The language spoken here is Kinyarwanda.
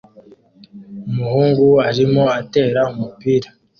Umuhungu arimo atera umupira